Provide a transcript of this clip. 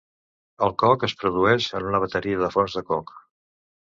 El coc es produeix en una bateria de forns de coc.